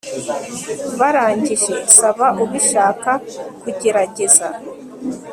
barangije saba ubishaka kugerageza